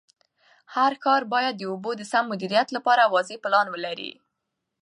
هر ښار باید د اوبو د سم مدیریت لپاره واضح پلان ولري.